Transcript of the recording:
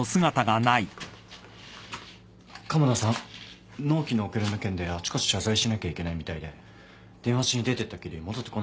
鴨田さん納期の遅れの件であちこち謝罪しなきゃいけないみたいで電話しに出ていったっきり戻ってこないんです。